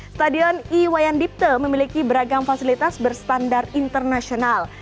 stadion iwayan dipte memiliki beragam fasilitas berstandar internasional